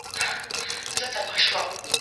په دښتونو کي چي ګرځې وږی پلی